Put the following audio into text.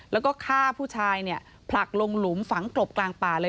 แล้วก็ฆ่าผู้ชายเนี่ยผลักลงหลุมฝังกลบกลางป่าเลย